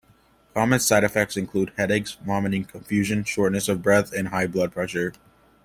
Common side effects include headache, vomiting, confusion, shortness of breath, and high blood pressure.